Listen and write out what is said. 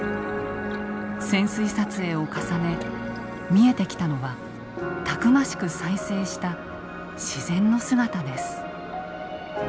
潜水撮影を重ね見えてきたのはたくましく再生した自然の姿です。